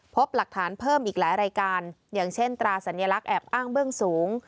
พบหลักฐานเพิ่มอีกหลายรายการอย่างเช่นตราสัญลักษณ์แอบอ้างเบื้องสูง